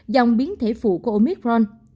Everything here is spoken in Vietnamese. dòng biến thể phụ của omicron